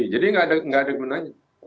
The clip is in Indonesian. jadi nggak ada gunanya